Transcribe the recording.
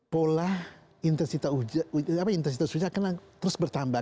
pola intensitas akan terus bertambah